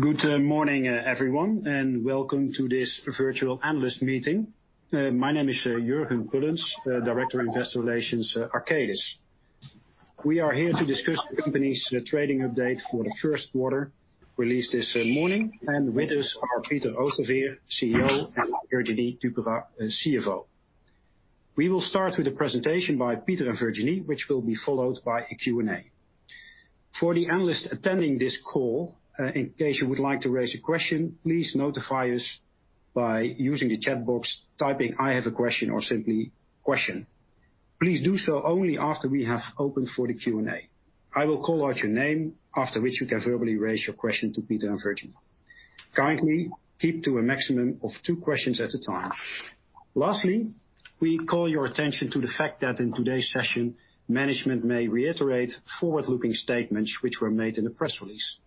Good morning, everyone, welcome to this virtual analyst meeting. My name is Jurgen Pullens, Director Investor Relations for Arcadis. We are here to discuss the company's trading update for the first quarter, released this morning. With us are Peter Oosterveer, CEO, and Virginie Duperat, CFO. We will start with a presentation by Peter and Virginie, which will be followed by a Q&A. For the analysts attending this call, in case you would like to raise a question, please notify us by using the chat box, typing, "I have a question," or simply, "Question." Please do so only after we have opened for the Q&A. I will call out your name, after which you can verbally raise your question to Peter and Virginie. Kindly keep to a maximum of two questions at a time. Lastly, we call your attention to the fact that in today's session, management may reiterate forward-looking statements which were made in the press release.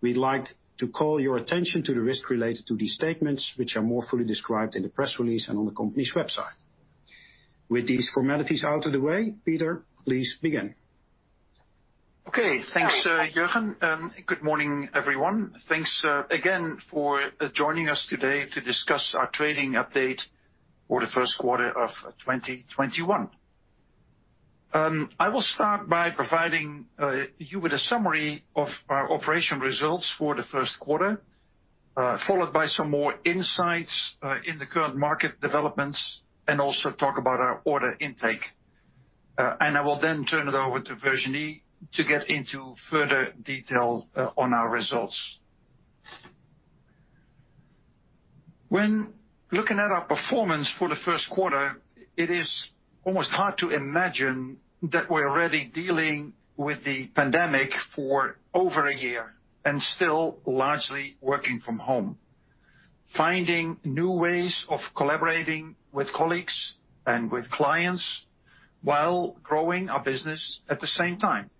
We'd like to call your attention to the risk related to these statements, which are more fully described in the press release and on the company's website. With these formalities out of the way, Peter, please begin. Okay. Thanks, Jurgen. Good morning, everyone. Thanks again for joining us today to discuss our trading update for the first quarter of 2021. I will start by providing you with a summary of our operation results for the first quarter, followed by some more insights in the current market developments and also talk about our order intake. I will then turn it over to Virginie to get into further detail on our results. When looking at our performance for the first quarter, it is almost hard to imagine that we're already dealing with the pandemic for over a year and still largely working from home, finding new ways of collaborating with colleagues and with clients while growing our business at the same time.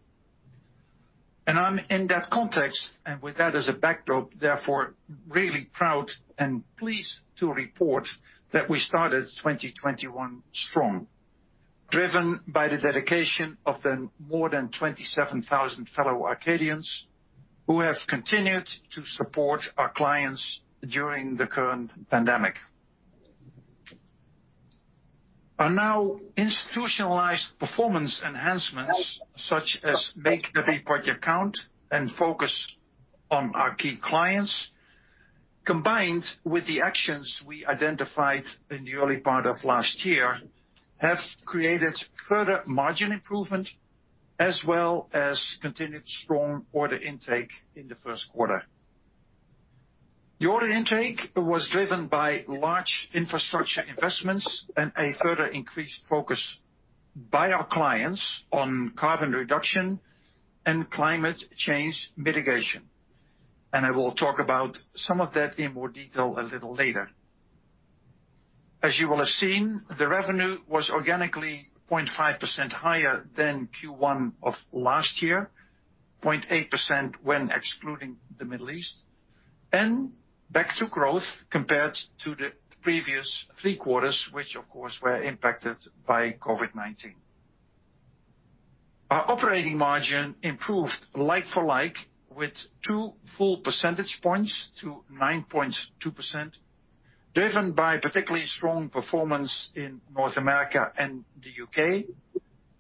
In that context, and with that as a backdrop, therefore, really proud and pleased to report that we started 2021 strong, driven by the dedication of the more than 27,000 fellow Arcadians who have continued to support our clients during the current pandemic. Our now institutionalized performance enhancements, such as Make Every Project Count and focus on our key clients, combined with the actions we identified in the early part of last year, have created further margin improvement, as well as continued strong order intake in the first quarter. The order intake was driven by large infrastructure investments and a further increased focus by our clients on carbon reduction and climate change mitigation. I will talk about some of that in more detail a little later. As you will have seen, the revenue was organically 0.5% higher than Q1 of last year, 0.8% when excluding the Middle East, and back to growth compared to the previous three quarters, which, of course, were impacted by COVID-19. Our operating margin improved like-for-like with 2 full percentage points to 9.2%, driven by particularly strong performance in North America and the U.K.,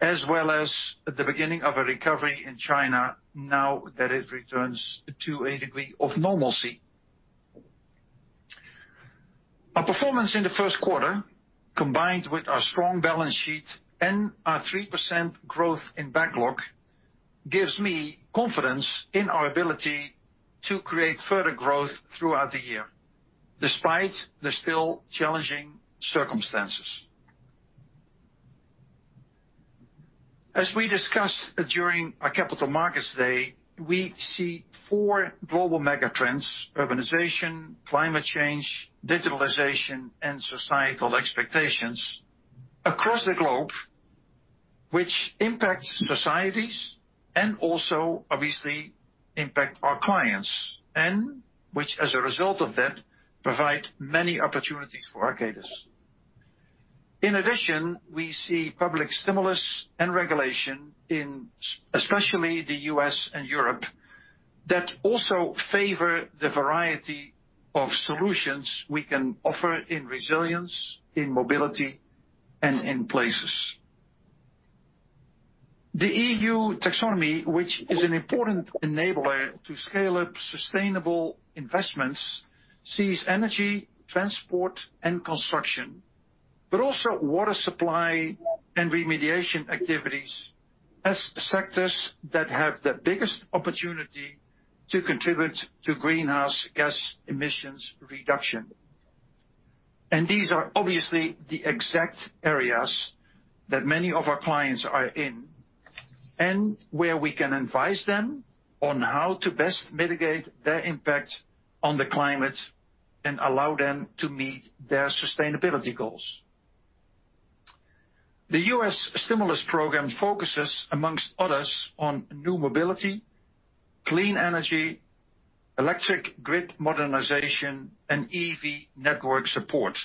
as well as the beginning of a recovery in China now that it returns to a degree of normalcy. Our performance in the first quarter, combined with our strong balance sheet and our 3% growth in backlog, gives me confidence in our ability to create further growth throughout the year, despite the still challenging circumstances. As we discussed during our Capital Markets Day, we see four global mega trends, urbanization, climate change, digitalization, and societal expectations across the globe, which impact societies and also obviously impact our clients, and which, as a result of that, provide many opportunities for Arcadis. In addition, we see public stimulus and regulation in especially the U.S. and Europe that also favor the variety of solutions we can offer in resilience, in mobility, and in places. The EU taxonomy, which is an important enabler to scale up sustainable investments, sees energy, transport, and construction, but also water supply and remediation activities as sectors that have the biggest opportunity to contribute to greenhouse gas emissions reduction. These are obviously the exact areas that many of our clients are in, and where we can advise them on how to best mitigate their impact on the climate and allow them to meet their sustainability goals. The U.S. Stimulus program focuses amongst others on new mobility, clean energy, electric grid modernization, and EV network support.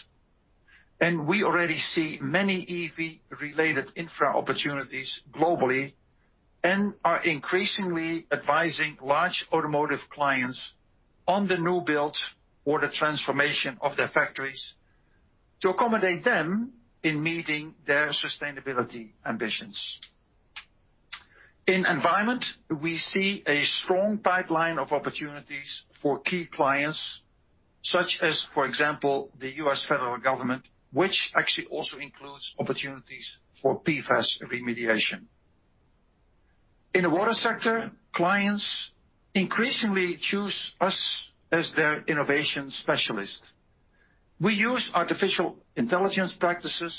We already see many EV-related infra opportunities globally, and are increasingly advising large automotive clients on the new build or the transformation of their factories to accommodate them in meeting their sustainability ambitions. In environment, we see a strong pipeline of opportunities for key clients, such as, for example, the U.S. federal government, which actually also includes opportunities for PFAS remediation. In the water sector, clients increasingly choose us as their innovation specialist. We use artificial intelligence practices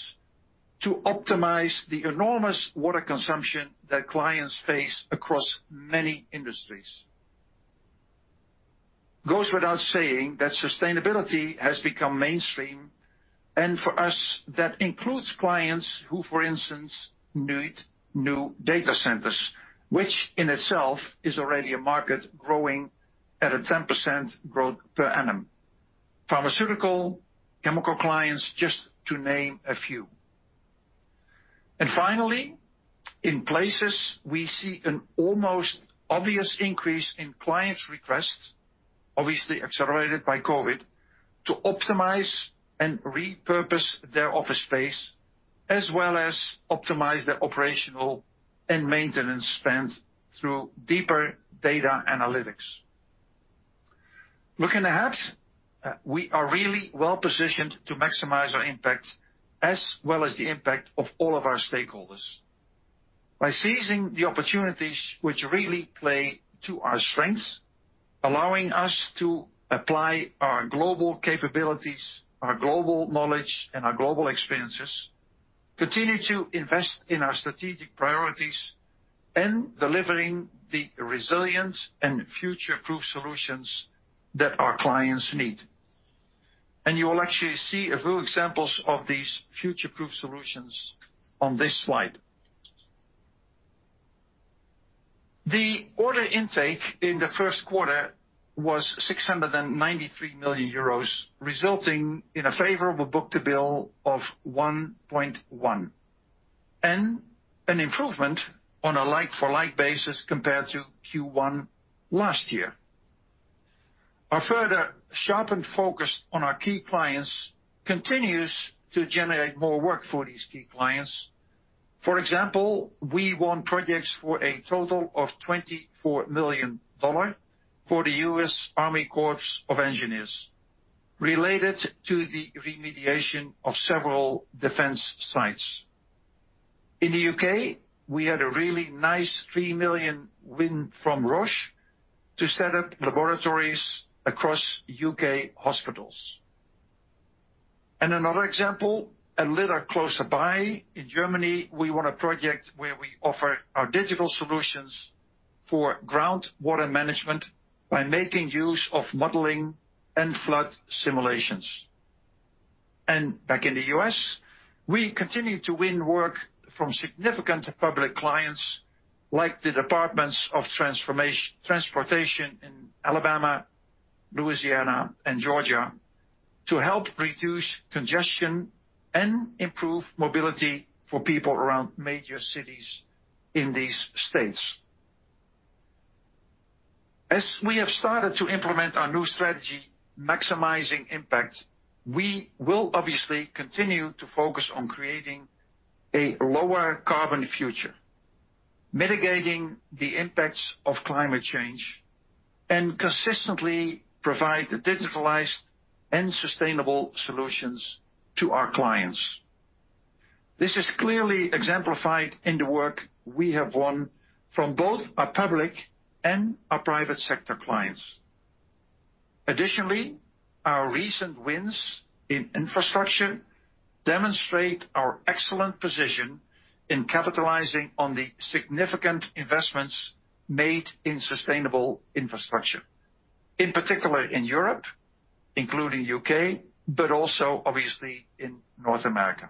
to optimize the enormous water consumption that clients face across many industries. Goes without saying that sustainability has become mainstream. For us, that includes clients who, for instance, need new data centers, which in itself is already a market growing at a 10% growth per annum. Pharmaceutical, chemical clients, just to name a few. Finally, in places, we see an almost obvious increase in clients' requests, obviously accelerated by COVID, to optimize and repurpose their office space, as well as optimize their operational and maintenance spend through deeper data analytics. Looking ahead, we are really well-positioned to maximize our impact, as well as the impact of all of our stakeholders, by seizing the opportunities which really play to our strengths, allowing us to apply our global capabilities, our global knowledge, and our global experiences, continue to invest in our strategic priorities, and delivering the resilient and future-proof solutions that our clients need. You will actually see a few examples of these future-proof solutions on this slide. The order intake in the first quarter was 693 million euros, resulting in a favorable book-to-bill of 1.1, and an improvement on a like-for-like basis compared to Q1 last year. Our further sharpened focus on our key clients continues to generate more work for these key clients. For example, we won projects for a total of $24 million for the U.S. Army Corps of Engineers related to the remediation of several defense sites. In the U.K., we had a really nice 3 million win from Roche to set up laboratories across U.K. hospitals. Another example, a little closer by, in Germany, we won a project where we offer our digital solutions for groundwater management by making use of modeling and flood simulations. Back in the U.S., we continue to win work from significant public clients, like the Departments of Transportation in Alabama, Louisiana, and Georgia, to help reduce congestion and improve mobility for people around major cities in these states. As we have started to implement our new strategy, Maximizing Impact, we will obviously continue to focus on creating a lower carbon future, mitigating the impacts of climate change, and consistently provide digitalized and sustainable solutions to our clients. This is clearly exemplified in the work we have won from both our public and our private sector clients. Additionally, our recent wins in infrastructure demonstrate our excellent position in capitalizing on the significant investments made in sustainable infrastructure, in particular in Europe, including U.K., but also, obviously, in North America.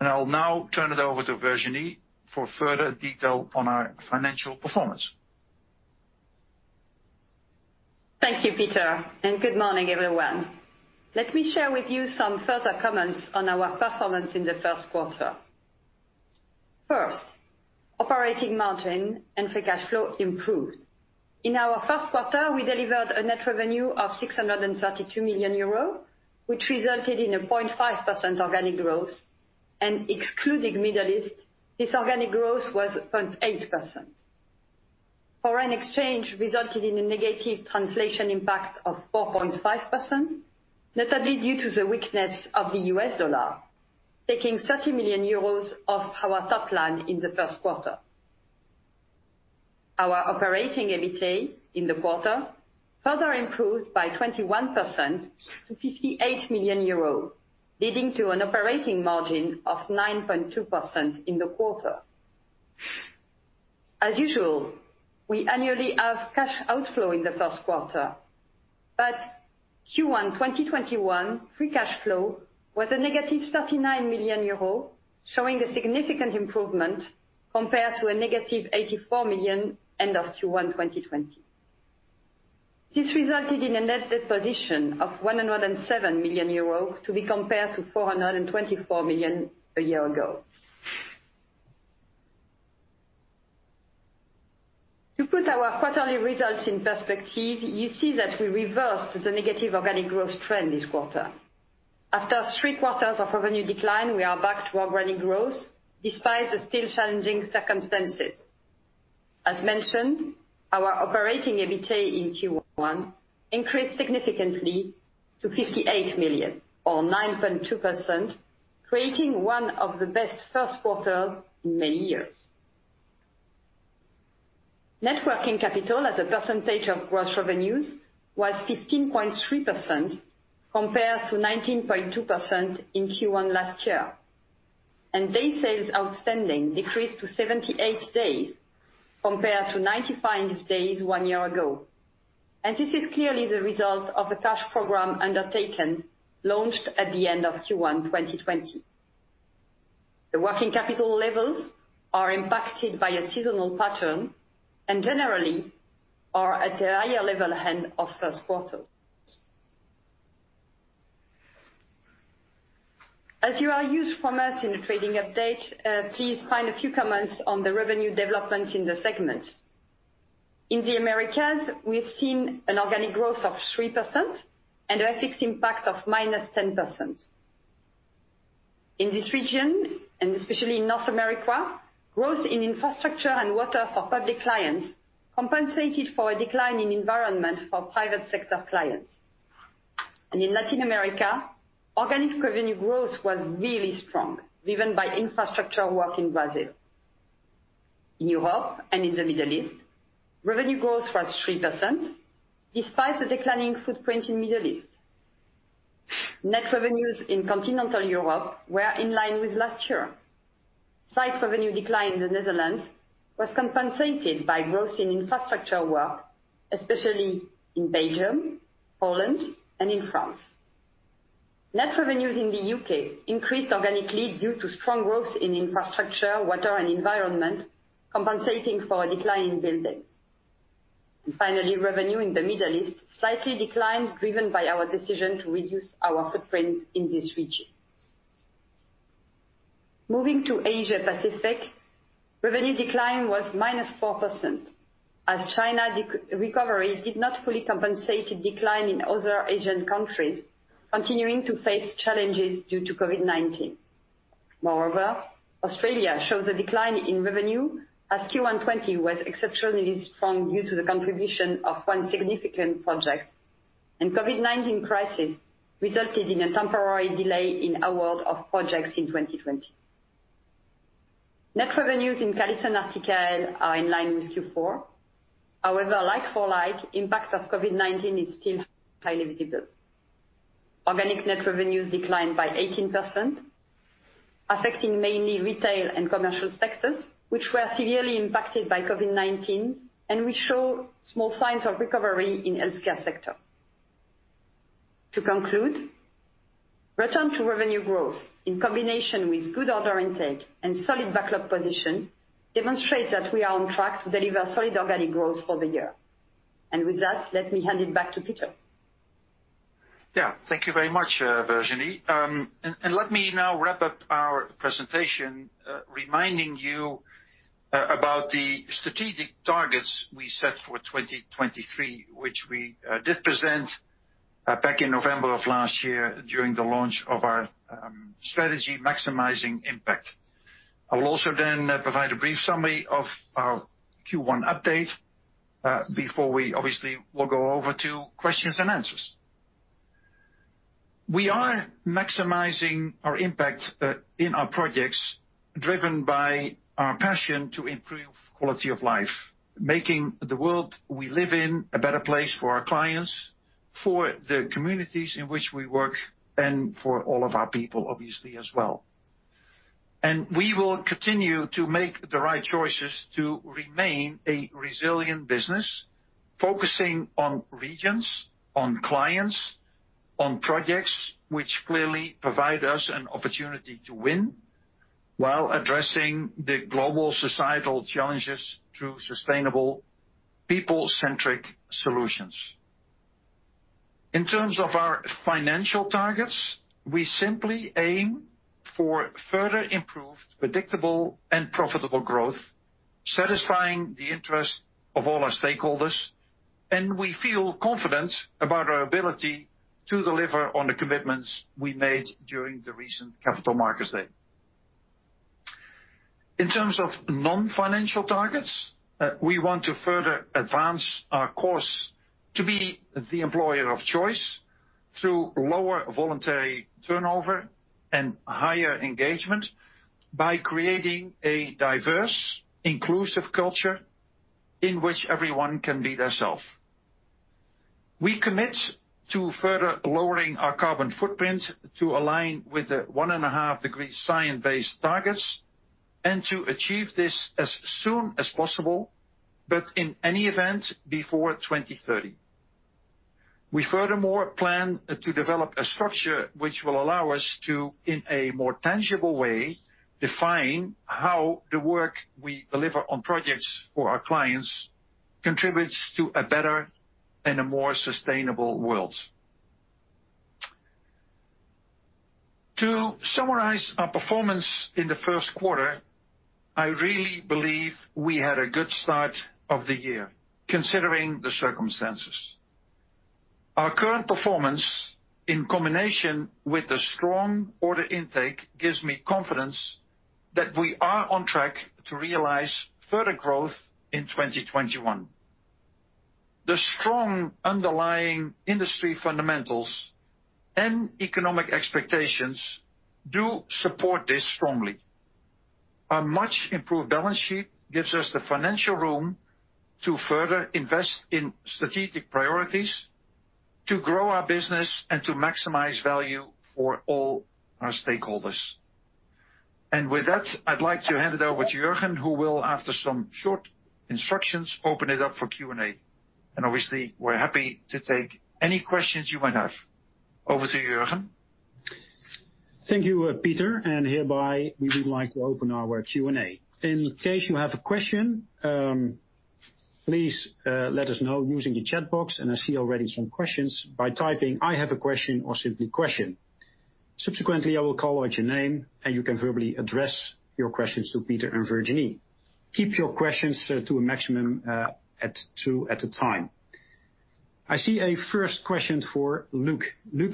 I'll now turn it over to Virginie for further detail on our financial performance. Thank you, Peter, and good morning, everyone. Let me share with you some further comments on our performance in the first quarter. First, operating margin and free cash flow improved. In our first quarter, we delivered a net revenue of 632 million euros, which resulted in a 0.5% organic growth, and excluding Middle East, this organic growth was 0.8%. Foreign exchange resulted in a negative translation impact of 4.5%, notably due to the weakness of the U.S. dollar, taking 30 million euros off our top line in the first quarter. Our operating EBITDA in the quarter further improved by 21% to 58 million euros, leading to an operating margin of 9.2% in the quarter. As usual, we annually have cash outflow in the first quarter. Q1 2021 free cash flow was a -39 million euro, showing a significant improvement compared to a -84 million end of Q1 2020. This resulted in a net debt position of 107 million euros to be compared to 424 million a year ago. To put our quarterly results in perspective, you see that we reversed the negative organic growth trend this quarter. After three quarters of revenue decline, we are back to organic growth despite the still challenging circumstances. As mentioned, our operating EBITDA in Q1 increased significantly to 58 million or 9.2%, creating one of the best first quarters in many years. Net working capital as a percentage of gross revenues was 15.3% compared to 19.2% in Q1 last year. Day sales outstanding decreased to 78 days compared to 95 days one year ago. This is clearly the result of the cash program undertaken, launched at the end of Q1 2020. The working capital levels are impacted by a seasonal pattern and generally are at a higher level than of first quarter. As you are used from us in the trading update, please find a few comments on the revenue developments in the segments. In the Americas, we have seen an organic growth of 3% and a FX impact of -10%. In this region, and especially in North America, growth in infrastructure and water for public clients compensated for a decline in environment for private sector clients. In Latin America, organic revenue growth was really strong, driven by infrastructure work in Brazil. In Europe and in the Middle East, revenue growth was 3%, despite the declining footprint in Middle East. Net revenues in continental Europe were in line with last year. Site revenue decline in the Netherlands was compensated by growth in infrastructure work, especially in Belgium, Holland, and in France. Net revenues in the U.K. increased organically due to strong growth in infrastructure, water, and environment, compensating for a decline in buildings. Finally, revenue in the Middle East slightly declined, driven by our decision to reduce our footprint in this region. Moving to Asia Pacific, revenue decline was -4%, as China recoveries did not fully compensate a decline in other Asian countries continuing to face challenges due to COVID-19. Moreover, Australia shows a decline in revenue as Q1 2020 was exceptionally strong due to the contribution of one significant project, and COVID-19 crisis resulted in a temporary delay in award of projects in 2020. Net revenues in CallisonRTKL are in line with Q4. However, like-for-like, impact of COVID-19 is still highly visible. Organic net revenues declined by 18%, affecting mainly retail and commercial sectors, which were severely impacted by COVID-19, and we show small signs of recovery in healthcare sector. To conclude, return to revenue growth in combination with good order intake and solid backlog position demonstrates that we are on track to deliver solid organic growth for the year. With that, let me hand it back to Peter. Yeah. Thank you very much, Virginie. Let me now wrap up our presentation, reminding you about the strategic targets we set for 2023, which we did present back in November of last year during the launch of our strategy Maximizing Impact. I will also provide a brief summary of our Q1 update, before we obviously will go over to questions and answers. We are maximizing our impact in our projects driven by our passion to improve quality of life, making the world we live in a better place for our clients, for the communities in which we work, and for all of our people, obviously, as well. We will continue to make the right choices to remain a resilient business, focusing on regions, on clients, on projects, which clearly provide us an opportunity to win while addressing the global societal challenges through sustainable people-centric solutions. In terms of our financial targets, we simply aim for further improved, predictable, and profitable growth, satisfying the interest of all our stakeholders, and we feel confident about our ability to deliver on the commitments we made during the recent Capital Markets Day. In terms of non-financial targets, we want to further advance our course to be the employer of choice through lower voluntary turnover and higher engagement by creating a diverse, inclusive culture in which everyone can be their self. We commit to further lowering our carbon footprint to align with the 1.5 degree science-based targets, and to achieve this as soon as possible, but in any event, before 2030. We furthermore plan to develop a structure which will allow us to, in a more tangible way, define how the work we deliver on projects for our clients contributes to a better and a more sustainable world. To summarize our performance in the first quarter, I really believe we had a good start of the year, considering the circumstances. Our current performance, in combination with the strong order intake, gives me confidence that we are on track to realize further growth in 2021. The strong underlying industry fundamentals and economic expectations do support this strongly. Our much-improved balance sheet gives us the financial room to further invest in strategic priorities, to grow our business, and to maximize value for all our stakeholders. With that, I'd like to hand it over to Jurgen, who will, after some short instructions, open it up for Q&A. Obviously, we're happy to take any questions you might have. Over to you, Jurgen. Thank you, Peter, and hereby we would like to open our Q&A. In case you have a question, please let us know using the chat box, and I see already some questions, by typing, "I have a question," or simply, "Question." Subsequently, I will call out your name, and you can verbally address your questions to Peter and Virginie. Keep your questions to a maximum at two at a time. I see a first question for Luc. Luc,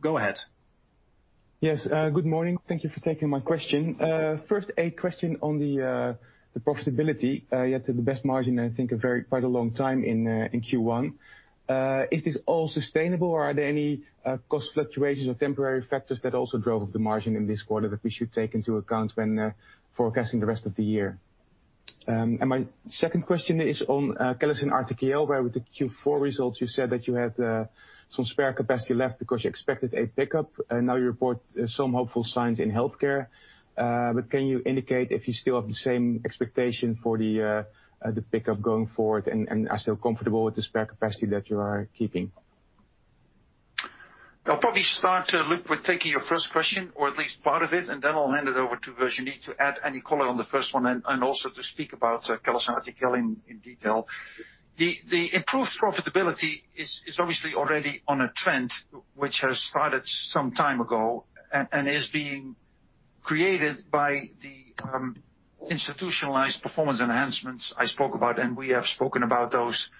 go ahead. Yes, good morning. Thank you for taking my question. First, a question on the profitability. You had the best margin in, I think, quite a long time in Q1. Is this all sustainable, or are there any cost fluctuations or temporary factors that also drove up the margin in this quarter that we should take into account when forecasting the rest of the year? My second question is on CallisonRTKL, where with the Q4 results, you said that you had some spare capacity left because you expected a pickup. Now you report some hopeful signs in healthcare. Can you indicate if you still have the same expectation for the pickup going forward, and are still comfortable with the spare capacity that you are keeping? I'll probably start, Luc, with taking your first question, or at least part of it, and then I'll hand it over to Virginie to add any color on the first one and also to speak about CallisonRTKL in detail. The improved profitability is obviously already on a trend which has started some time ago and is being created by the institutionalized performance enhancements I spoke about, and we have spoken about those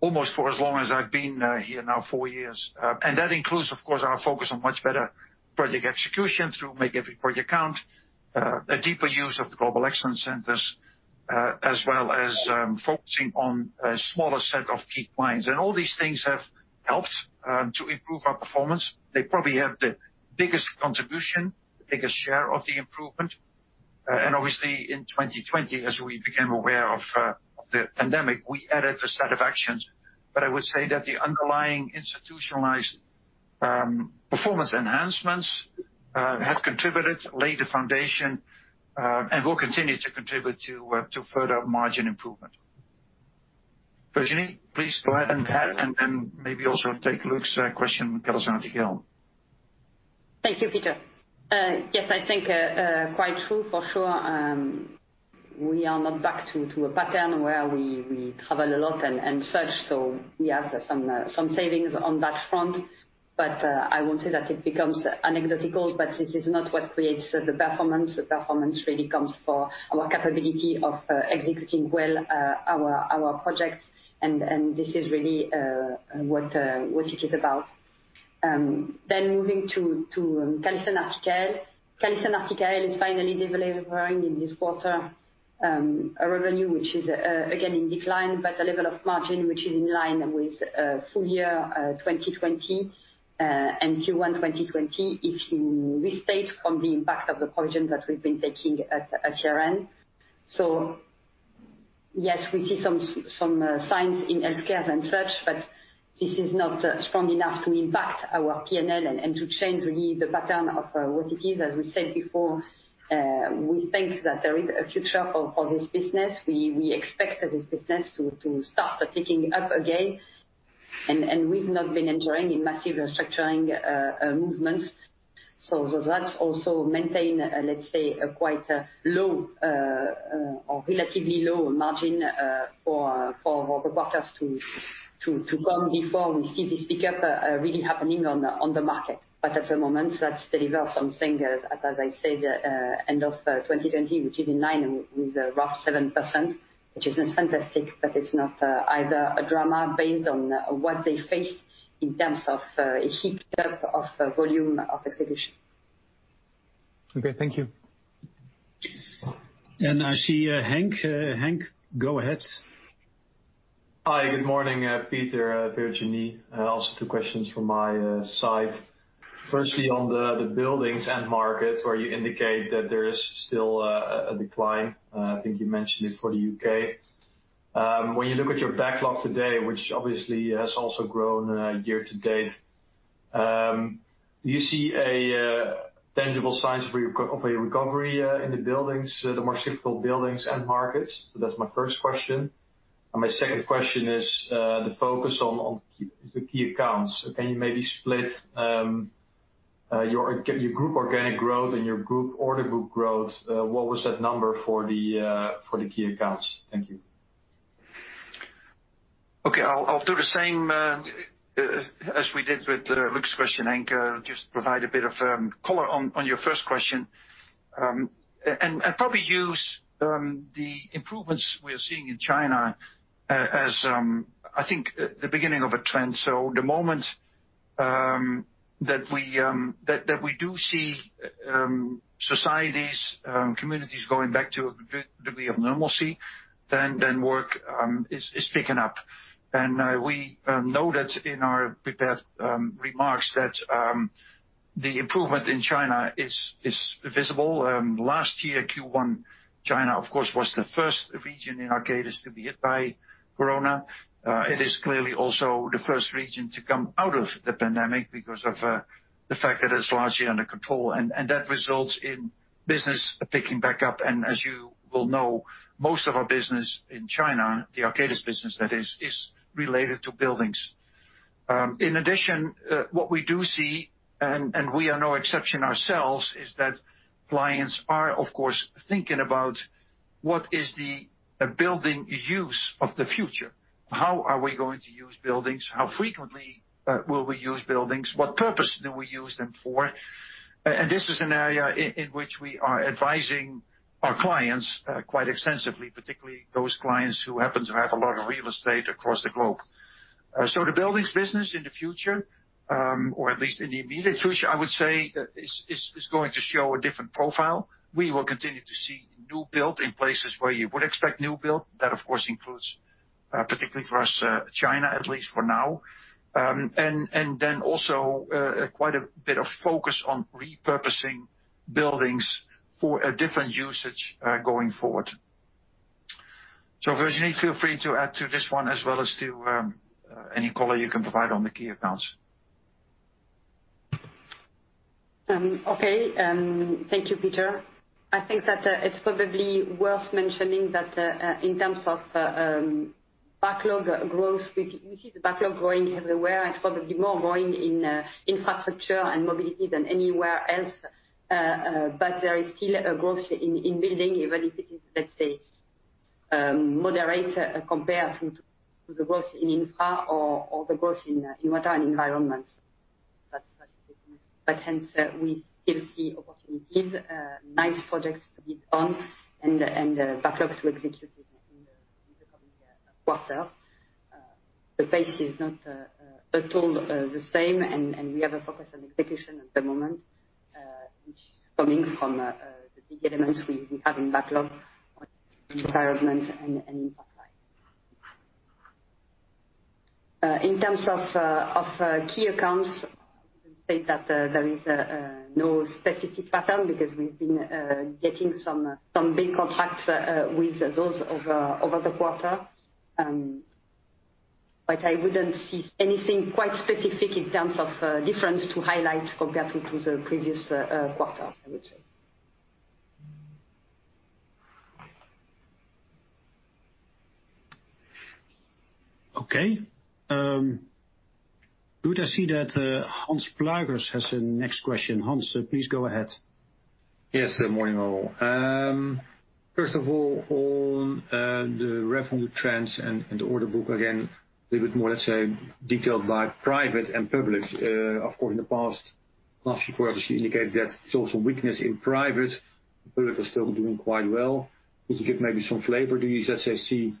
almost for as long as I've been here now, four years. That includes, of course, our focus on much better project execution through Make Every Project Count, a deeper use of the Global Excellence Centers, as well as focusing on a smaller set of key clients. All these things have helped to improve our performance. They probably have the biggest contribution, the biggest share of the improvement. Obviously in 2020, as we became aware of the pandemic, we added a set of actions. I would say that the underlying institutionalized performance enhancements have contributed, laid the foundation, and will continue to contribute to further margin improvement. Virginie, please go ahead and add, and then maybe also take Luc's question on CallisonRTKL. Thank you, Peter. I think quite true for sure. We are not back to a pattern where we travel a lot and such, so we have some savings on that front. I won't say that it becomes anecdotal, but this is not what creates the performance. The performance really comes for our capability of executing well our projects, and this is really what it is about. Moving to CallisonRTKL. CallisonRTKL is finally delivering in this quarter a revenue which is again in decline, but a level of margin which is in line with full year 2020 and Q1 2020 if you restate from the impact of the provisions that we've been taking at year-end. Yes, we see some signs in healthcare and such, but this is not strong enough to impact our P&L and to change really the pattern of what it is. As we said before, we think that there is a future for this business. We expect this business to start picking up again. We've not been entering in massive restructuring movements. That's also maintained a, let's say, quite low or relatively low margin for the buffers to come before we see this pickup really happening on the market. At the moment, that delivers something, as I said, end of 2020, which is in line with a rough 7%, which isn't fantastic, but it's not either a drama based on what they face in terms of a hiccup of volume of acquisition. Okay, thank you. I see Henk. Henk, go ahead. Hi, good morning, Peter, Virginie. Also two questions from my side. Firstly, on the buildings end market where you indicate that there is still a decline. I think you mentioned it for the U.K. When you look at your backlog today, which obviously has also grown year to date. Do you see tangible signs of a recovery in the buildings, the more difficult buildings and markets? That's my first question. My second question is the focus on the key accounts. Can you maybe split your group organic growth and your group order book growth? What was that number for the key accounts? Thank you. Okay. I'll do the same as we did with Luc's question, Henk. Probably use the improvements we're seeing in China as, I think, the beginning of a trend. The moment that we do see societies, communities going back to a degree of normalcy, then work is picking up. We know that in our prepared remarks that the improvement in China is visible. Last year, Q1, China, of course, was the first region in Arcadis to be hit by corona. It is clearly also the first region to come out of the pandemic because of the fact that it's largely under control, that results in business picking back up. As you well know, most of our business in China, the Arcadis business that is related to buildings. In addition, what we do see, and we are no exception ourselves, is that clients are, of course, thinking about what is the building use of the future. How are we going to use buildings? How frequently will we use buildings? What purpose do we use them for? This is an area in which we are advising our clients quite extensively, particularly those clients who happen to have a lot of real estate across the globe. The buildings business in the future, or at least in the immediate future, I would say, is going to show a different profile. We will continue to see new build in places where you would expect new build. That, of course, includes, particularly for us, China, at least for now. Then also quite a bit of focus on repurposing buildings for a different usage going forward. Virginie, feel free to add to this one as well as to any color you can provide on the key accounts. Okay. Thank you, Peter. I think that it's probably worth mentioning that in terms of backlog growth, we see the backlog growing everywhere, and it's probably more growing in infrastructure and mobility than anywhere else. There is still a growth in building, even if it is, let's say, moderate compared to the growth in infra or the growth in water and environments. Hence, we still see opportunities, nice projects to bid on and backlogs to execute in the coming quarters. The pace is not at all the same, and we have a focus on execution at the moment, which is coming from the big elements we have in backlog on environment and infra side. In terms of key accounts, I would say that there is no specific pattern because we've been getting some big contracts with those over the quarter. I wouldn't see anything quite specific in terms of difference to highlight compared to the previous quarters, I would say. Okay. Good, I see that Hans Pluijgers has the next question. Hans, please go ahead. Yes. Morning, all. First of all, on the revenue trends and the order book, again, a little bit more, let's say, detailed by private and public. Of course, in the past last few quarters, you indicated that there's also weakness in private. Public is still doing quite well. Could you give maybe some flavor? Do you still see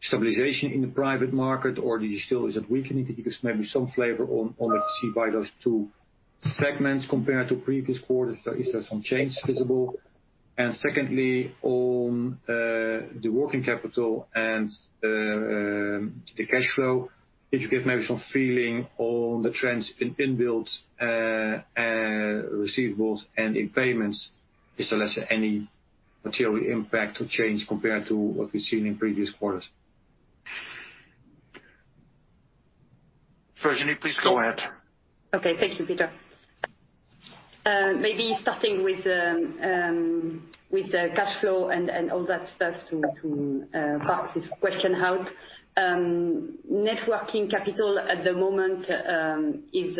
stabilization in the private market or still is it weakening? Could you give maybe some flavor on let's see by those two segments compared to previous quarters, is there some change visible? Secondly, on the working capital and the cash flow, could you give maybe some feeling on the trends in unbilled receivables and in payments? Is there any material impact or change compared to what we've seen in previous quarters? Virginie, please go ahead. Okay. Thank you, Peter. Maybe starting with cash flow and all that stuff to park this question out. Net working capital at the moment is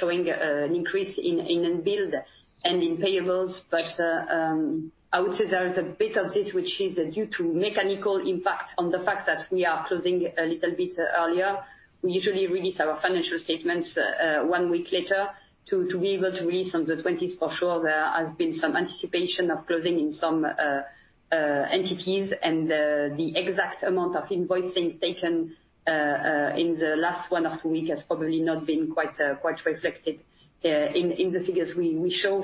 showing an increase in unbilled and in payables. I would say there is a bit of this which is due to mechanical impact on the fact that we are closing a little bit earlier. We usually release our financial statements one week later to be able to release on the 20th for sure. There has been some anticipation of closing in some entities, the exact amount of invoicing taken in the last one or two week has probably not been quite reflected in the figures we show.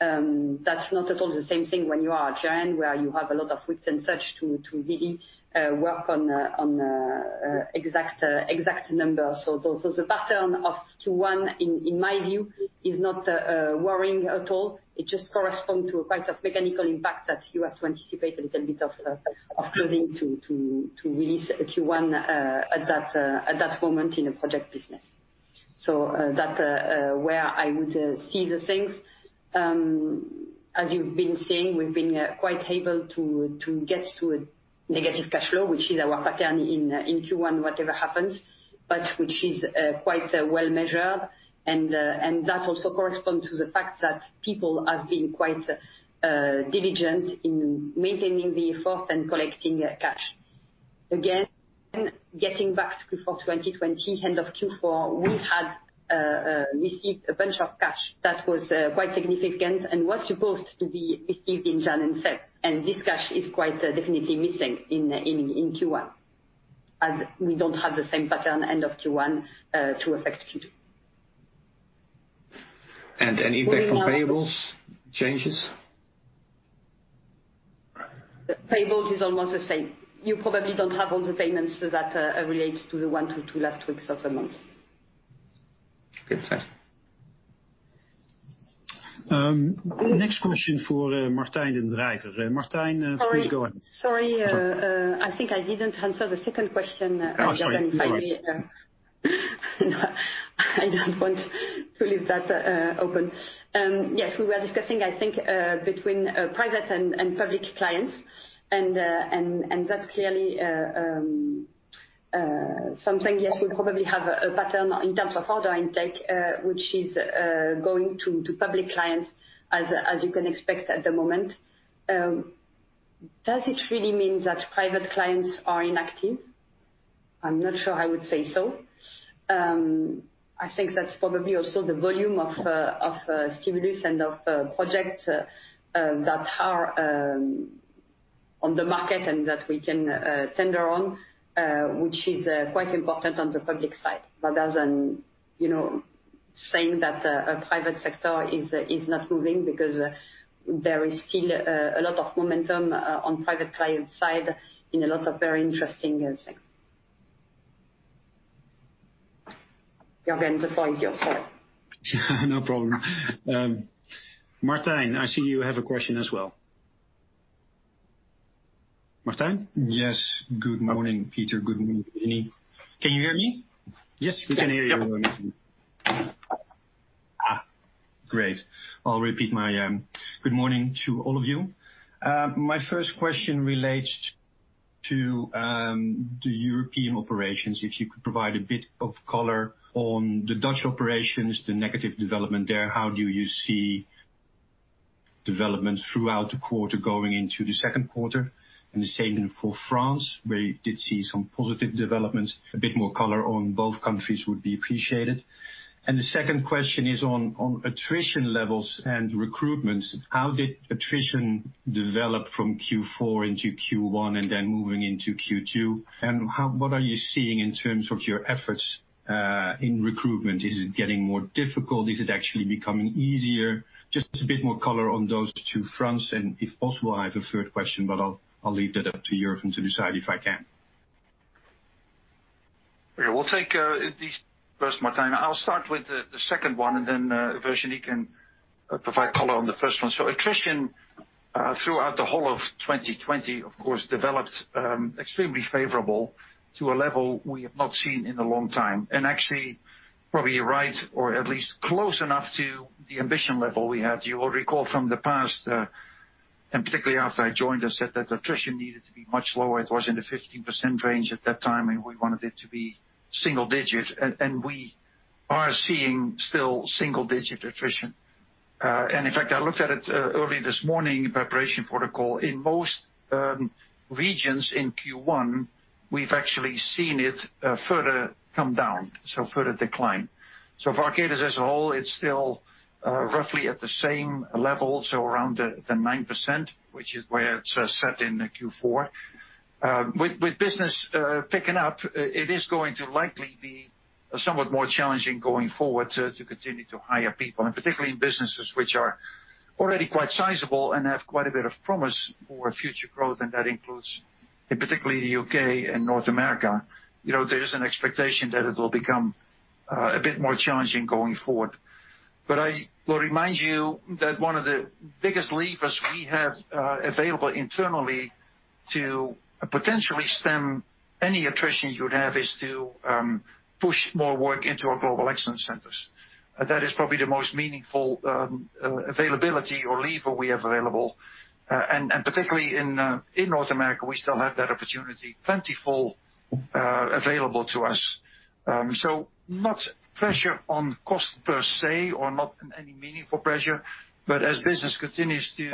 That's not at all the same thing when you are a giant, where you have a lot of weeks and such to really work on the exact number. The pattern of Q1, in my view, is not worrying at all. It just corresponds to quite a mechanical impact that you have to anticipate a little bit of closing to release a Q1 at that moment in a project business. That where I would see the things. As you've been seeing, we've been quite able to get to a negative cash flow, which is our pattern in Q1, whatever happens, but which is quite well measured. That also corresponds to the fact that people have been quite diligent in maintaining the effort and collecting cash. Again, getting back to Q4 2020, end of Q4, we had received a bunch of cash that was quite significant and was supposed to be received in Jan and Feb. This cash is quite definitely missing in Q1, as we don't have the same pattern end of Q1 to affect Q2. Any impact from payables changes? Payables is almost the same. You probably don't have all the payments that relates to the one to two last weeks of the month. Okay, thanks. Next question for Martijn den Drijver. Sorry. Please go on. Sorry, I think I didn't answer the second question, Jurgen. Oh, sorry. No worries. I don't want to leave that open. Yes, we were discussing, I think between private and public clients and that's clearly something, yes, we probably have a pattern in terms of order intake, which is going to public clients as you can expect at the moment. Does it really mean that private clients are inactive? I'm not sure I would say so. I think that's probably also the volume of stimulus and of projects that are on the market and that we can tender on, which is quite important on the public side. Rather than saying that a private sector is not moving because there is still a lot of momentum on private client side in a lot of very interesting things. Jurgen, the floor is yours. Sorry. No problem. Martijn, I see you have a question as well. Martijn? Yes. Good morning, Peter. Good morning, Virginie. Can you hear me? Yes, we can hear you. Great. I'll repeat my good morning to all of you. My first question relates to the European operations. If you could provide a bit of color on the Dutch operations, the negative development there, how do you see developments throughout the quarter going into the second quarter? The same for France, where you did see some positive developments. A bit more color on both countries would be appreciated. The second question is on attrition levels and recruitments. How did attrition develop from Q4 into Q1 and then moving into Q2? What are you seeing in terms of your efforts, in recruitment? Is it getting more difficult? Is it actually becoming easier? Just a bit more color on those two fronts, if possible, I have a third question, but I'll leave that up to Jurgen to decide if I can. Okay. We'll take these first, Martijn. I'll start with the second one. Virginie can provide color on the first one. Attrition, throughout the whole of 2020, of course, developed extremely favorable to a level we have not seen in a long time. Actually, probably right or at least close enough to the ambition level we had. You will recall from the past, particularly after I joined, I said that attrition needed to be much lower. It was in the 15% range at that time. We wanted it to be single digit. We are seeing still single digit attrition. In fact, I looked at it early this morning in preparation for the call. In most regions in Q1, we've actually seen it further come down, further decline. For Arcadis as a whole, it's still roughly at the same level, so around the 9%, which is where it sat in Q4. With business picking up, it is going to likely be somewhat more challenging going forward to continue to hire people, and particularly in businesses which are already quite sizable and have quite a bit of promise for future growth, and that includes in particularly the U.K. and North America. There is an expectation that it will become a bit more challenging going forward. I will remind you that one of the biggest levers we have available internally to potentially stem any attrition you would have is to push more work into our Global Excellence Centers. That is probably the most meaningful availability or lever we have available. Particularly in North America, we still have that opportunity plentiful available to us. Not pressure on cost per se or not any meaningful pressure, but as business continues to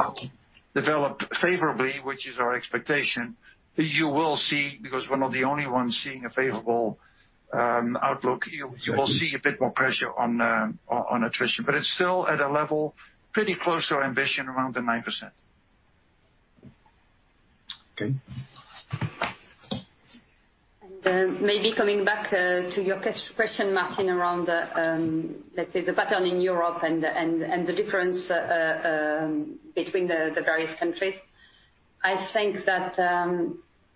develop favorably, which is our expectation, you will see, because we're not the only ones seeing a favorable outlook, you will see a bit more pressure on attrition. It's still at a level pretty close to our ambition around the 9%. Okay. Maybe coming back to your question, Martijn, around the, let's say, the pattern in Europe and the difference between the various countries. I think that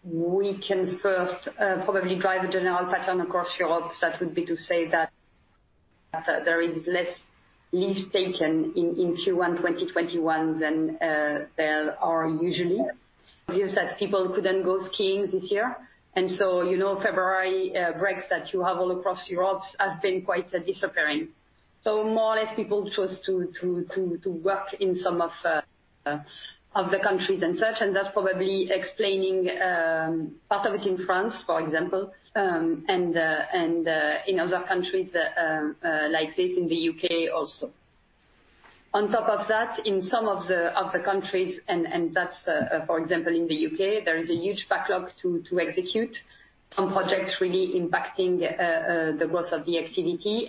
we can first probably drive a general pattern across Europe. That would be to say that there is less leave taken in Q1 2021 than there are usually. Obvious that people couldn't go skiing this year, February breaks that you have all across Europe have been quite disappearing. More or less people chose to work in some of the countries and such, and that's probably explaining part of it in France, for example, and in other countries like this in the U.K. also. On top of that, in some of the other countries, and that's, for example, in the U.K., there is a huge backlog to execute some projects really impacting the growth of the activity.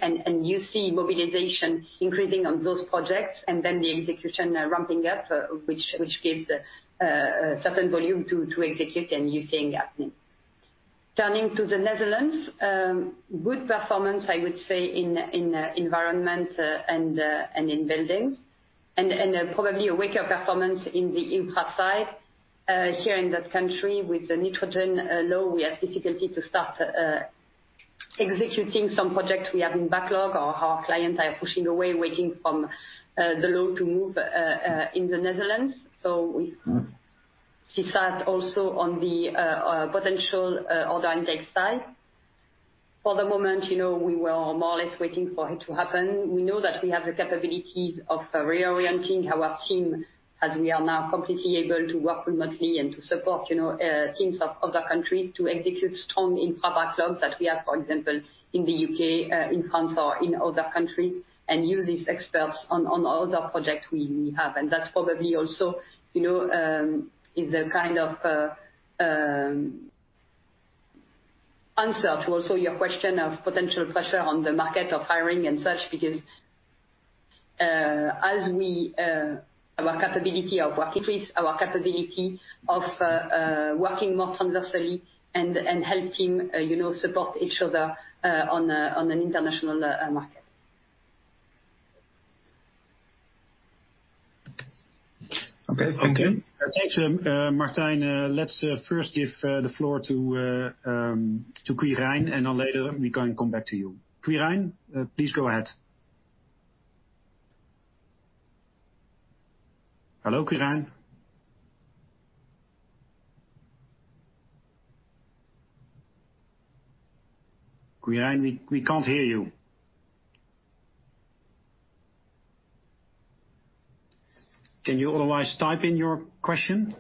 You see mobilization increasing on those projects and then the execution ramping up, which gives a certain volume to execute and you see a gap then. Turning to the Netherlands, good performance, I would say, in environment and in buildings, and probably a weaker performance in the infra side. Here in that country with the nitrogen law, we have difficulty to start executing some projects we have in backlog or our clients are pushing away, waiting from the law to move in the Netherlands. We see that also on the potential order intake side. For the moment, we were more or less waiting for it to happen. We know that we have the capabilities of reorienting our team as we are now completely able to work remotely and to support teams of other countries to execute strong infra backlogs that we have, for example, in the U.K., in France or in other countries, and use these experts on other projects we have. That's probably also is the kind of answer to also your question of potential pressure on the market of hiring and such, because as we have our capability of working more transversally and helping support each other on an international market. Okay, thank you. Thanks, Martijn. Let's first give the floor to Quirijn, and then later we can come back to you. Quirijn, please go ahead. Hello, Quirijn? Quirijn, we can't hear you. Can you otherwise type in your question?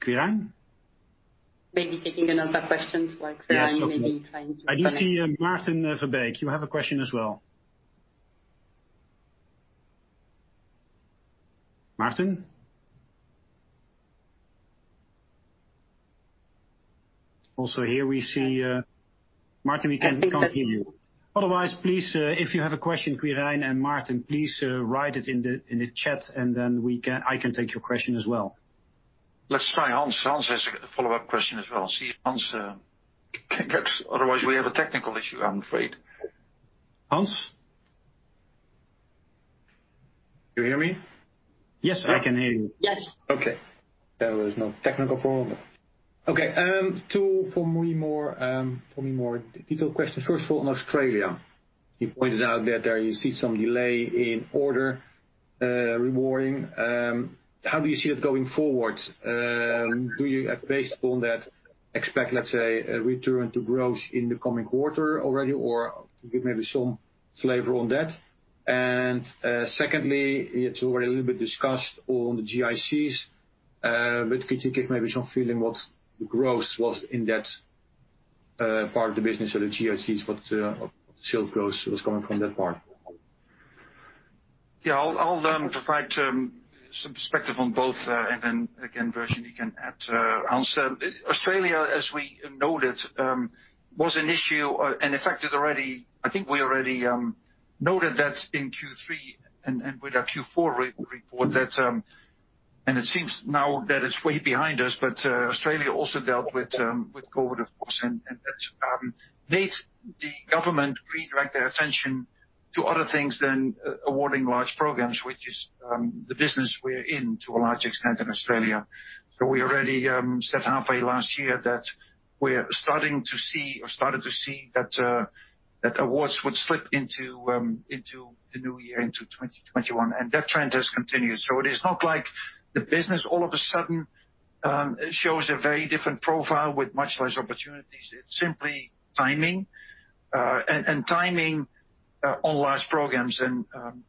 Quirijn? Maybe taking another question while Quirijn maybe trying to connect. Yes, okay. I do see Martijn den Drijver, you have a question as well. Martijn? Also Martijn, we can't hear you. Otherwise, please, if you have a question, Quirijn and Martijn, please write it in the chat and then I can take your question as well. Let's try Hans. Hans has a follow-up question as well. See if Hans can connect. Otherwise, we have a technical issue, I'm afraid. Hans? You hear me? Yes, I can hear you. Yes. Okay. There was no technical problem. Okay, two for me, more detailed questions. First of all, on Australia, you pointed out that you see some delay in order rewarding. How do you see it going forward? Do you, based on that, expect, let's say, a return to growth in the coming quarter already, or give maybe some flavor on that? Secondly, it's already a little bit discussed on the GECs, but could you give maybe some feeling what the growth was in that part of the business of the GECs, what sales growth was coming from that part? Yeah, I'll provide some perspective on both, and then again, Virginie can add answer. Australia, as we noted, was an issue and affected already. I think we already noted that in Q3 and with our Q4 report that, and it seems now that it's way behind us, but Australia also dealt with COVID, of course, and that made the government redirect their attention to other things than awarding large programs, which is the business we're in to a large extent in Australia. We already said halfway last year that we're starting to see or started to see that awards would slip into the new year, into 2021, and that trend has continued. It is not like the business all of a sudden shows a very different profile with much less opportunities. It's simply timing, and timing on large programs.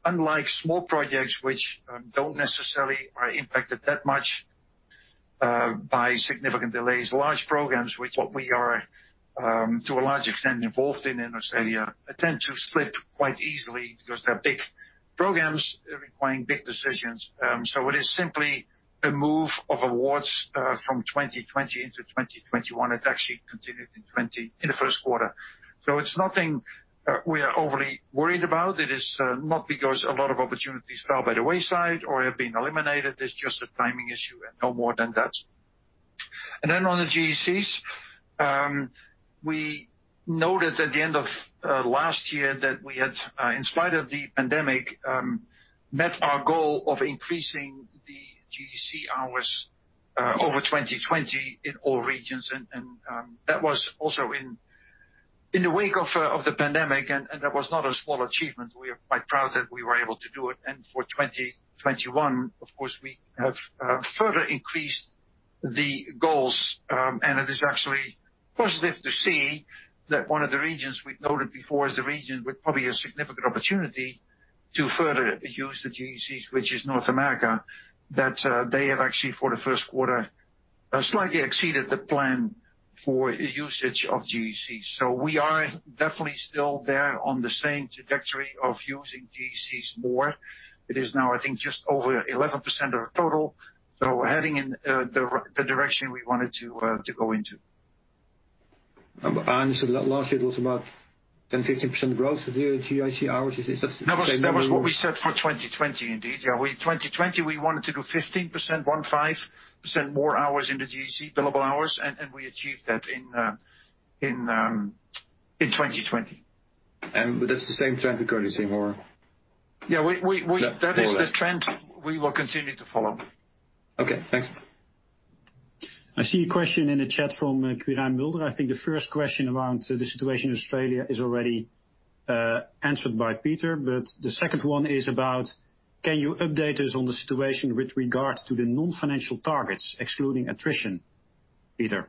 Unlike small projects, which don't necessarily are impacted that much by significant delays, large programs, which what we are, to a large extent involved in in Australia, tend to slip quite easily because they're big programs requiring big decisions. It is simply a move of awards from 2020 into 2021. It actually continued in the first quarter. It's nothing we are overly worried about. It is not because a lot of opportunities fell by the wayside or have been eliminated. It's just a timing issue and no more than that. On the GECs, we noted at the end of last year that we had, in spite of the pandemic, met our goal of increasing the GEC hours over 2020 in all regions. That was also in the wake of the pandemic, and that was not a small achievement. We are quite proud that we were able to do it. For 2021, of course, we have further increased the goals, and it is actually positive to see that one of the regions we noted before as the region with probably a significant opportunity to further use the GECs, which is North America, that they have actually for the first quarter slightly exceeded the plan for usage of GECs. We are definitely still there on the same trajectory of using GECs more. It is now, I think, just over 11% of our total. Heading in the direction we wanted to go into. You said that last year it was about 10%, 15% growth of the GEC hours. Is that the same number? That was what we said for 2020, indeed. Yeah. 2020, we wanted to do 15% more hours in the GEC, billable hours, and we achieved that in 2020. That's the same trend we're currently seeing more? Yeah. More or less. That is the trend we will continue to follow. Okay, thanks. I see a question in the chat from Quirijn Mulder. I think the first question around the situation in Australia is already answered by Peter, but the second one is about, can you update us on the situation with regards to the non-financial targets, excluding attrition? Peter.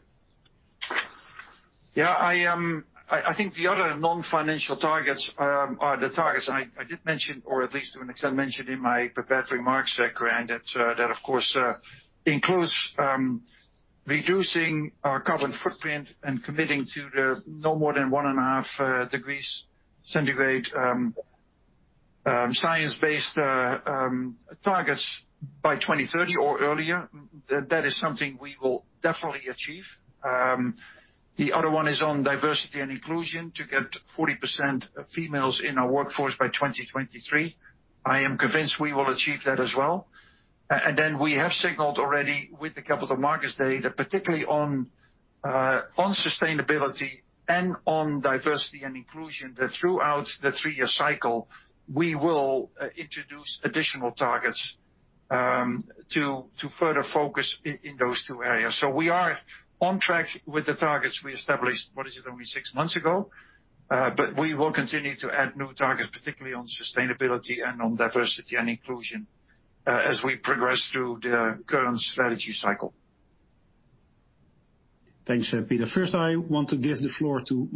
I think the other non-financial targets are the targets I did mention, or at least to an extent, mentioned in my prepared remarks, Quirijn. That, of course, includes reducing our carbon footprint and committing to the no more than one and a half degrees Centigrade science-based targets by 2030 or earlier. That is something we will definitely achieve. The other one is on diversity and inclusion to get 40% females in our workforce by 2023. I am convinced we will achieve that as well. We have signaled already with the Capital Markets Day, that particularly on sustainability and on diversity and inclusion, that throughout the three-year cycle, we will introduce additional targets to further focus in those two areas. We are on track with the targets we established, what is it? Only six months ago. We will continue to add new targets, particularly on sustainability and on diversity and inclusion, as we progress through the current strategy cycle. Thanks, Peter. First, I want to give the floor to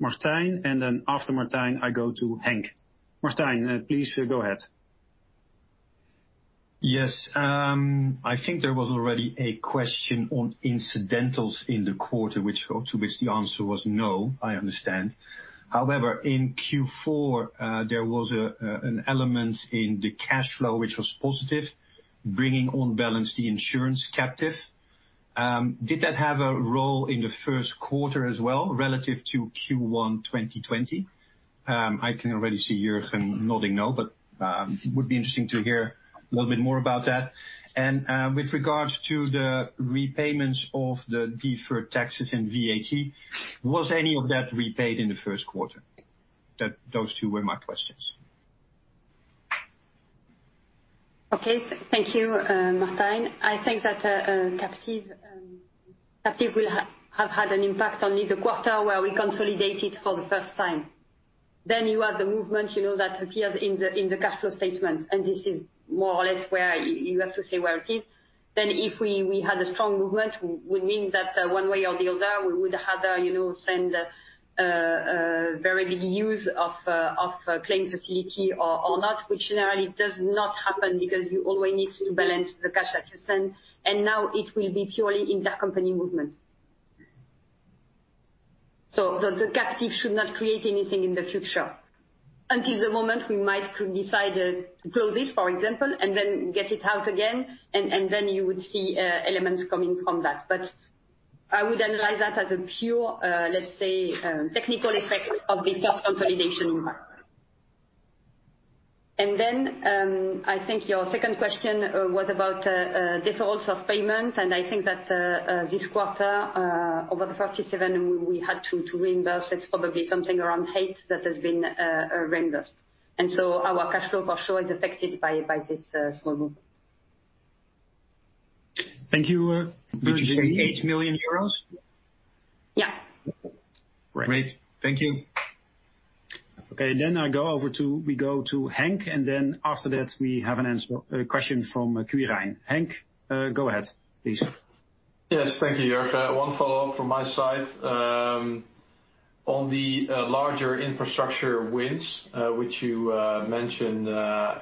Martijn, and then after Martijn, I go to Henk. Martijn, please go ahead. Yes. I think there was already a question on incidentals in the quarter, to which the answer was no, I understand. In Q4, there was an element in the cash flow, which was positive, bringing on balance the insurance captive. Did that have a role in the first quarter as well relative to Q1 2020? I can already see Jurgen nodding no, but would be interesting to hear a little bit more about that. With regards to the repayments of the deferred taxes and VAT, was any of that repaid in the first quarter? Those two were my questions. Thank you, Martijn. I think that captive will have had an impact only the quarter where we consolidated for the first time. You had the movement that appears in the cash flow statement, and this is more or less where you have to say where it is. If we had a strong movement, would mean that one way or the other, we would had send a very big use of claim facility or not, which generally does not happen because you always need to balance the cash that you send, and now it will be purely intercompany movement. The captive should not create anything in the future until the moment we might could decide to close it, for example, and then get it out again, and then you would see elements coming from that. I would analyze that as a pure, let's say, technical effect of the first consolidation. Then, I think your second question was about defaults of payment, and I think that this quarter, over the 37 million we had to reimburse, it's probably something around 8 million that has been reimbursed. So our cash flow for sure is affected by this small group. Thank you, Virginie. Did you say 8 million euros? Yeah. Great. Thank you. Okay. We go to Henk, and then after that, we have a question from Quirijn. Henk, go ahead, please. Yes. Thank you, Jurgen. One follow-up from my side. On the larger infrastructure wins, which you mentioned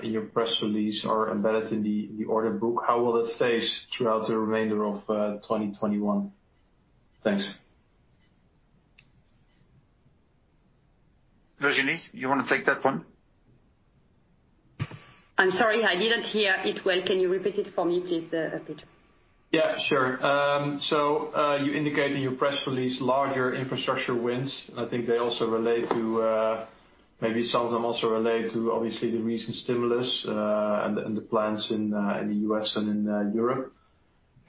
in your press release are embedded in the order book. How will it phase throughout the remainder of 2021? Thanks. Virginie, you want to take that one? I'm sorry, I didn't hear it well. Can you repeat it for me, please, Peter? Yeah, sure. You indicate in your press release larger infrastructure wins. I think maybe some of them also relate to, obviously, the recent stimulus, and the plans in the U.S. and in Europe.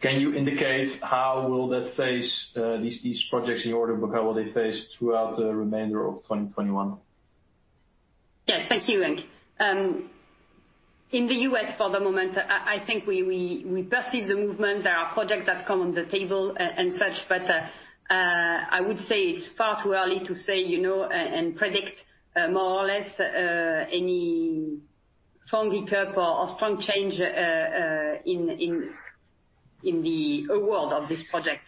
Can you indicate how will these projects in the order book, how will they phase throughout the remainder of 2021? Yes. Thank you, Henk. In the U.S., for the moment, I think we perceive the movement. There are projects that come on the table and such, but I would say it's far too early to say and predict, more or less, any strong pickup or strong change in the award of this project.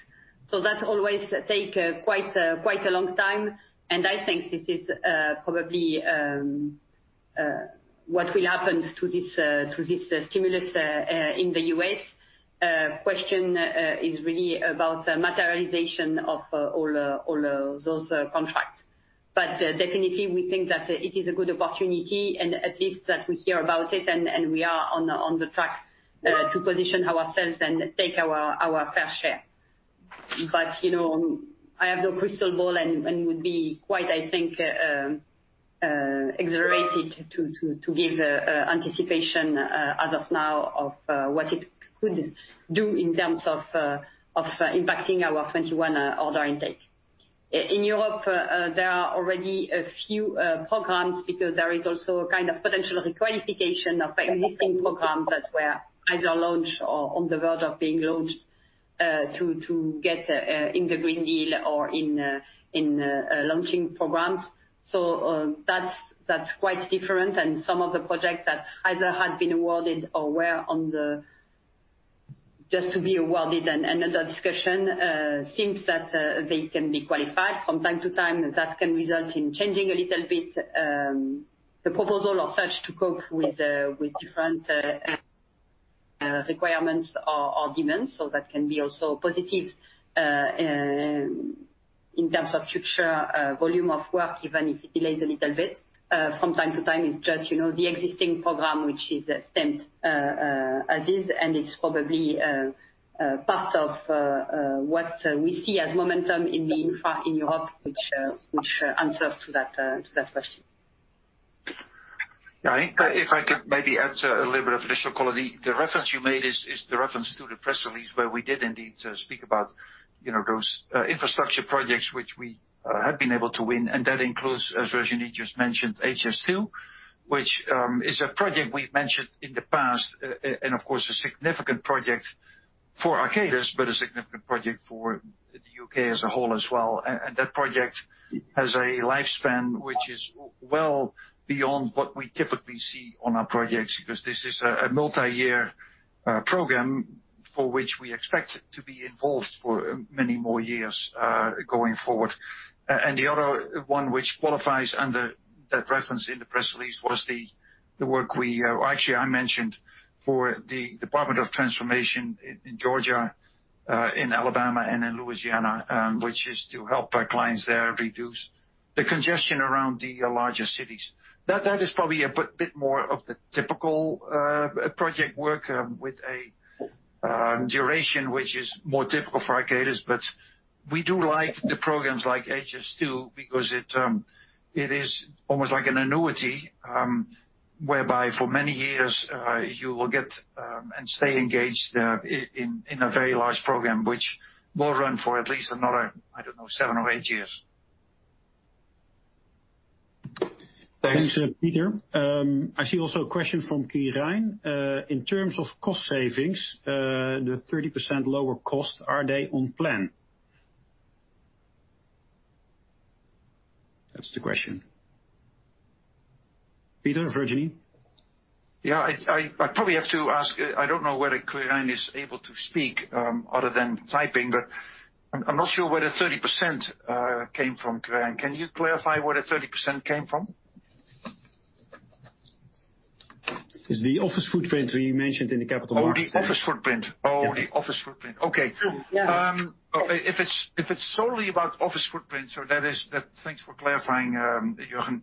That always take quite a long time, and I think this is probably what will happen to this stimulus in the U.S. Question is really about materialization of all those contracts. Definitely, we think that it is a good opportunity, and at least that we hear about it, and we are on the track to position ourselves and take our fair share. I have no crystal ball, and it would be quite, I think, exaggerated to give anticipation as of now of what it could do in terms of impacting our 2021 order intake. In Europe, there are already a few programs because there is also a kind of potential requalification of existing programs that were either launched or on the verge of being launched, to get in the Green Deal or in launching programs. That's quite different, and some of the projects that either had been awarded or were just to be awarded and under discussion, seems that they can be qualified from time to time. That can result in changing a little bit the proposal or such to cope with different requirements or demands. That can be also positive in terms of future volume of work, even if it delays a little bit from time to time. It's just the existing program which is stamped as is, and it's probably part of what we see as momentum in the infra in Europe, which answers to that question. Yeah. If I could maybe add to a little bit of additional color. The reference you made is the reference to the press release where we did indeed speak about those infrastructure projects which we have been able to win. That includes, as Virginie just mentioned, HS2, which is a project we've mentioned in the past, and of course, a significant project for Arcadis, but a significant project for the U.K. as a whole as well. That project has a lifespan which is well beyond what we typically see on our projects, because this is a multi-year program for which we expect to be involved for many more years going forward. The other one which qualifies under that reference in the press release was the work actually I mentioned for the Department of Transportation in Georgia, in Alabama, and in Louisiana, which is to help our clients there reduce the congestion around the larger cities. That is probably a bit more of the typical project work with a duration which is more typical for Arcadis. We do like the programs like HS2 because it is almost like an annuity, whereby for many years you will get and stay engaged in a very large program which will run for at least another, I don't know, seven or eight years. Thanks. Thanks, Peter. I see also a question from Quirijn. In terms of cost savings, the 30% lower cost, are they on plan? That's the question. Peter, Virginie? Yeah. I probably have to ask, I don't know whether Quirijn is able to speak other than typing, but I'm not sure where the 30% came from, Quirijn. Can you clarify where the 30% came from? It's the office footprint we mentioned in the capital markets. Oh, the office footprint. Okay. Yeah. If it's solely about office footprint, thanks for clarifying, Jurgen.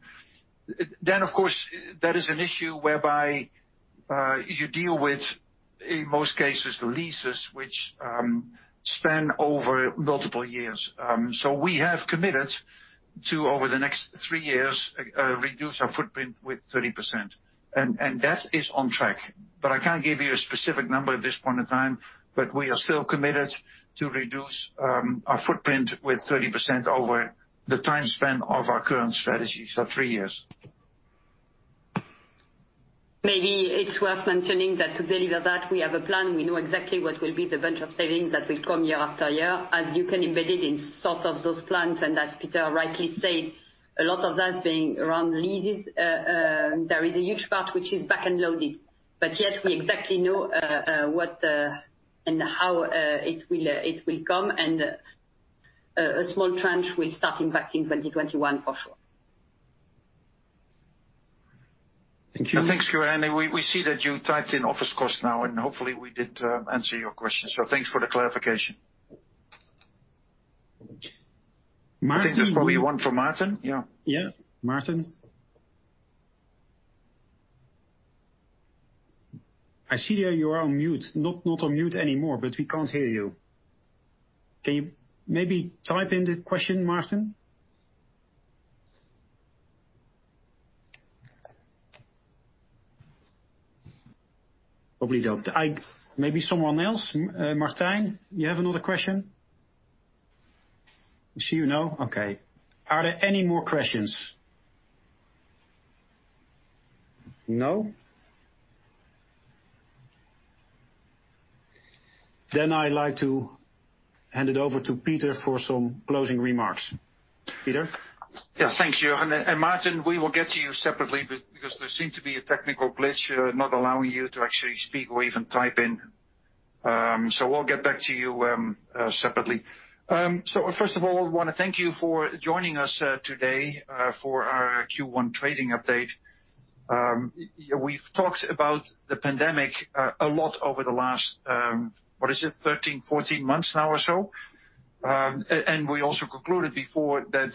Of course, that is an issue whereby you deal with, in most cases, leases which span over multiple years. We have committed to, over the next three years, reduce our footprint with 30%. That is on track. I can't give you a specific number at this point in time, but we are still committed to reduce our footprint with 30% over the time span of our current strategy, so three years. Maybe it's worth mentioning that to deliver that, we have a plan. We know exactly what will be the venture of savings that will come year after year, as you can embed it in sort of those plans. As Peter rightly said, a lot of that is being around leases. There is a huge part which is back-end loaded, but yet we exactly know what and how it will come, and a small tranche will start impacting 2021 for sure. Thank you. Thanks, Quirijn. We see that you typed in office cost now, and hopefully we did answer your question. Thanks for the clarification. Martijn- I think there's probably one from Martijn. Yeah. Yeah. Martijn? I see that you are on mute. Not on mute anymore, but we can't hear you. Can you maybe type in the question, Martijn? Probably don't. Maybe someone else? Martijn, you have another question? I see you, no. Okay. Are there any more questions? No? I'd like to hand it over to Peter for some closing remarks. Peter? Yeah. Thank you. Martijn, we will get to you separately because there seemed to be a technical glitch not allowing you to actually speak or even type in. We'll get back to you separately. First of all, I want to thank you for joining us today for our Q1 trading update. We've talked about the pandemic a lot over the last, what is it? 13, 14 months now or so. We also concluded before that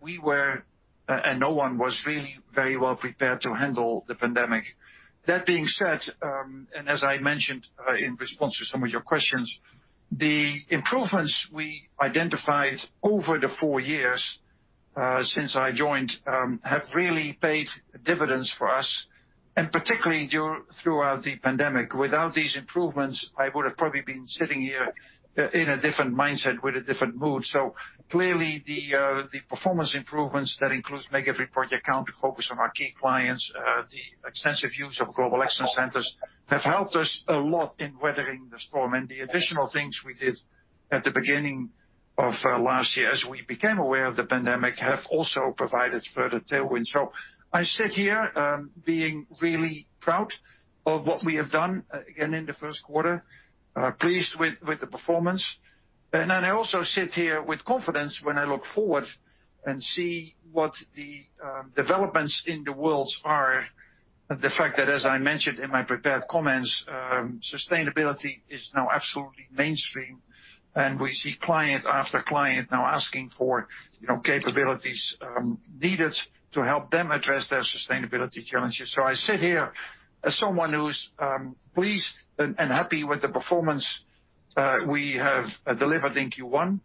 we were, and no one was really very well prepared to handle the pandemic. That being said, as I mentioned in response to some of your questions, the improvements we identified over the four years since I joined have really paid dividends for us, and particularly throughout the pandemic. Without these improvements, I would have probably been sitting here in a different mindset with a different mood. Clearly the performance improvements, that includes Make Every Project Count to focus on our key clients, the extensive use of Global Excellence Centers, have helped us a lot in weathering the storm. The additional things we did at the beginning of last year, as we became aware of the pandemic, have also provided further tailwind. I sit here being really proud of what we have done, again, in the first quarter, pleased with the performance. I also sit here with confidence when I look forward and see what the developments in the world are. The fact that, as I mentioned in my prepared comments, sustainability is now absolutely mainstream, and we see client after client now asking for capabilities needed to help them address their sustainability challenges. I sit here as someone who's pleased and happy with the performance we have delivered in Q1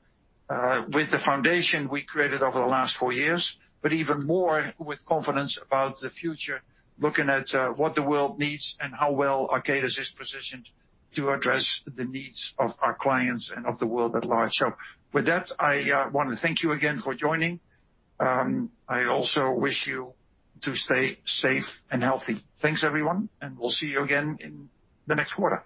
with the foundation we created over the last four years, but even more with confidence about the future, looking at what the world needs and how well Arcadis is positioned to address the needs of our clients and of the world at large. With that, I want to thank you again for joining. I also wish you to stay safe and healthy. Thanks, everyone, and we'll see you again in the next quarter.